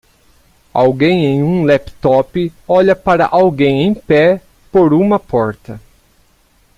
Alguém em um laptop olha para alguém em pé por uma porta